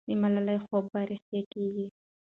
د ملالۍ خوب به رښتیا کېږي.